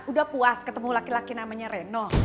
udah puas ketemu laki laki namanya reno